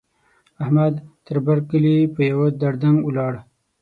احمد؛ تر بر کلي په يوه دړدنګ ولاړ.